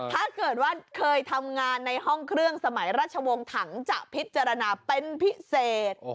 ถ้าเกิดว่าเคยทำงานในห้องเครื่องสมัยราชวงศ์ถังจะพิจารณาเป็นพิเศษ